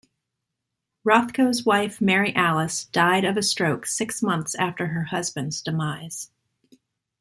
Rothko's wife Mary Alice died of a stroke six months after her husband's demise.